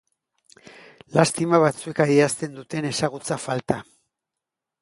Lastima batzuek adierazten duten ezagutza falta.